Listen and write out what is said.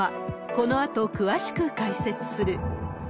このあと詳しく解説する。